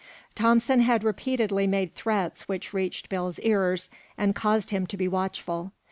Thompson had repeatedly made threats which reached Bill's ears, and caused him to be watchful.